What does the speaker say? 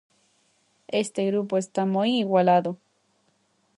Este grupo está moi igualado.